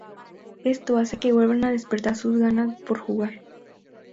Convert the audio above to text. Esto hace que vuelvan a despertar sus ganas por jugar.